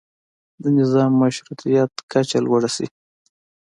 د نظام مشروطیت کچه لوړه شي.